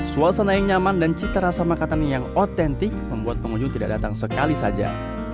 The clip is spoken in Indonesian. suasana yang nyaman dan cita rasa makanan yang otentik membuat pengunjung tidak datang sekali saja